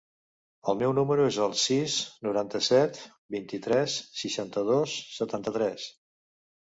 El meu número es el sis, noranta-set, vint-i-tres, seixanta-dos, setanta-tres.